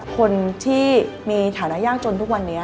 คนที่มีฐานะยากจนทุกวันนี้